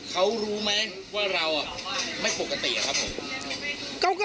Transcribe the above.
เขารู้ไหมว่าเราไม่ปกติครับผม